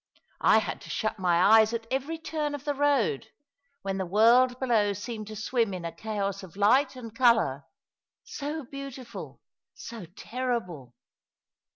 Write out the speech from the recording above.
I had to shut my eyes at every turn of the road, when the world below seemed to swim in a chaos of light and colour — so beautiful, so terrible